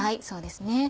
そうです